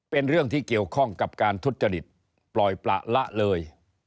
เป็นเรื่องที่เกี่ยวข้องกับการทุจริตปล่อยประละเลย